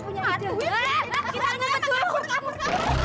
kita mesti bertindak kita mesti bersihkan